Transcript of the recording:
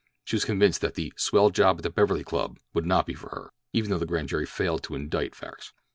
She was convinced that the "swell job at the Beverly Club" would not be for her, even though the grand jury failed to indict Farris.